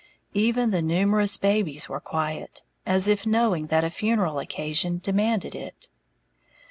Even the numerous babies were quiet, as if knowing that a funeral occasion demanded it.